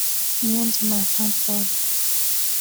Niyonzima Jean Paul